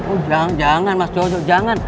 udang jangan mas jojo jangan